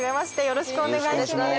よろしくお願いします。